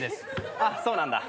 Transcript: あっそうなんだ。